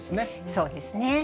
そうですね。